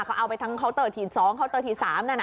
เขาเอาไปทั้งเคาน์เตอร์ถีนสองเคาน์เตอร์ถีนสามน่ะนะ